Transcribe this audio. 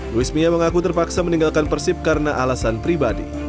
luis mia mengaku terpaksa meninggalkan persib karena alasan pribadi